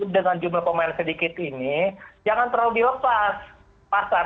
dengan jumlah pemain sedikit ini jangan terlalu dilepas pasar